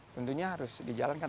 tentunya harus dijalankan